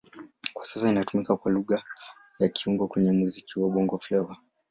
Kwa sasa inatumika kama Lugha ya kiungo kwenye muziki wa Bongo Flava.